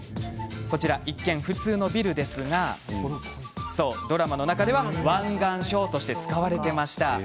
こちらは、一見普通のビルですがそう、ドラマの中では湾岸署として使われました。